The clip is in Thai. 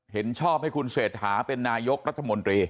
เห็นชอบให้คุณเศรษฐาเป็นนายกรัฐมนตรี